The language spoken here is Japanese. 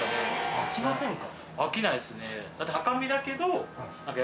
飽きませんか？